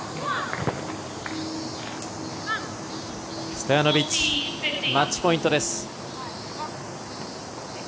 ストヤノビッチマッチポイントです。